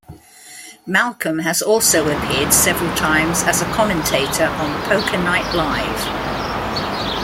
Malcolm has also appeared several times as a commentator on Poker Night Live.